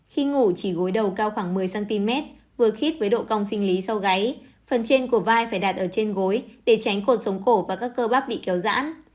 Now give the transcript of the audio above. khi ngủ chỉ gối đầu cao khoảng một mươi cm vừa khít với độ cong sinh lý sau gáy phần trên của vai phải đạt ở trên gối để tránh cột sống cổ và các cơ bắp bị kéo dãn